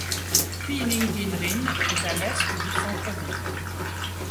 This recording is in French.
Pyynikinrinne est à l'est du centre ville.